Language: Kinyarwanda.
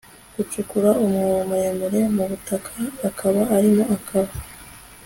gacukura umwobo muremure mu butaka akaba arimo kaba